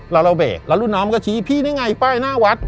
แล้วเราเบรกแล้วรุ่นน้องก็ชี้พี่นี่ไงป้ายหน้าวัด